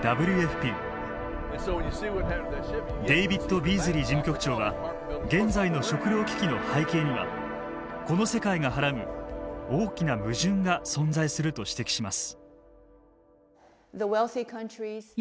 デイビッド・ビーズリー事務局長は現在の食料危機の背景にはこの世界がはらむ大きな矛盾が存在すると指摘します。